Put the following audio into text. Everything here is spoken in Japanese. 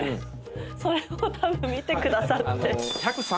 それをたぶん見てくださって。